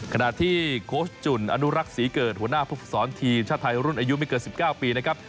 ขณะที่โค้ชจุ่นอนุรักษ์ศรีเกิดหัวหน้าผู้ฝึกศรทีมชาติไทยรุ่นอายุไม่เกิน๑๙ปีนะครับ